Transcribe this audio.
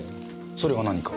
それが何か？